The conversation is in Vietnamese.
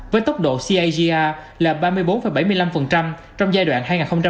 với tốc độ cagr là ba mươi bốn bảy mươi năm trong giai đoạn hai nghìn hai mươi một hai nghìn hai mươi sáu